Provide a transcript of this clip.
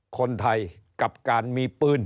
คนไทยกับการมีปืน